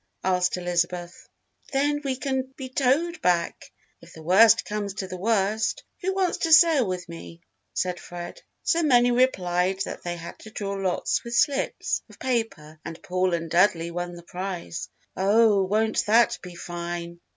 asked Elizabeth. "Then we can be towed back if the worst comes to the worst. Who wants to sail with me?" said Fred. So many replied that they had to draw lots with slips of paper and Paul and Dudley won the prize. "Oh, won't that be fine!"